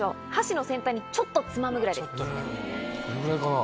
このぐらいかな？